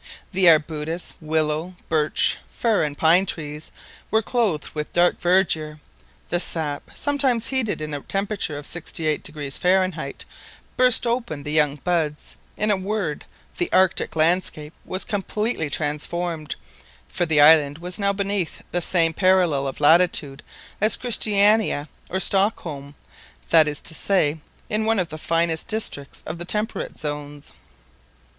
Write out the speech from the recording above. The arbutus, willow, birch, fir, and pine trees were clothed with dark verdure; the sap—sometimes heated in a temperature of 68° Fahrenheit—burst open the young buds; in a word, the Arctic landscape was completely transformed, for the island was now beneath the same parallel of latitude as Christiania or Stockholm, that is to say, in one of the finest districts of the temperate zones.